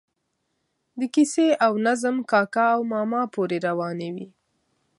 د کیسې او نظم کاکا او ماما پورې روانې وي.